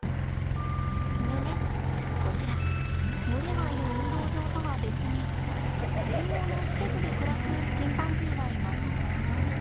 でねこちら群れがいる運動場とは別に専用の施設で暮らすチンパンジーがいます。